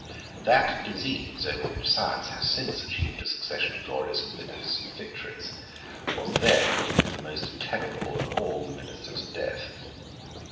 That disease, over which science has since achieved a succession of glorious and beneficient victories, was then the most terrible of all the ministers of death.